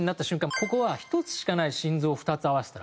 ここは「一つしかない心臓を二つ合わせたら」。